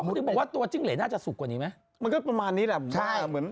เขาถึงบอกว่าตัวจิ้งเหรนน่าจะสุกกว่านี้ไหมมันก็ประมาณนี้แหละผมใช่เหมือน